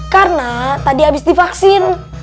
karena tadi habis divaksin